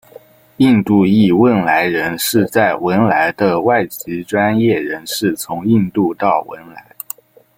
印度裔汶莱人是在文莱的外籍专业人士从印度到文莱。